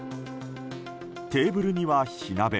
テーブルには火鍋。